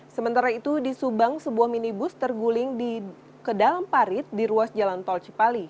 sementara itu di subang sebuah minibus terguling ke dalam parit di ruas jalan tol cipali